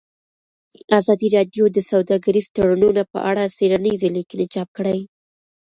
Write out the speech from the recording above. ازادي راډیو د سوداګریز تړونونه په اړه څېړنیزې لیکنې چاپ کړي.